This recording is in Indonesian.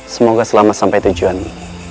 semoga selama sampai tujuanmu